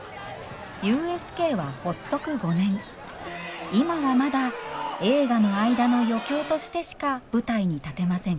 ＵＳＫは発足５年今はまだ映画の間の余興としてしか舞台に立てません